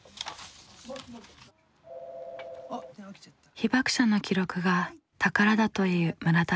被爆者の記録が宝だという村田さん。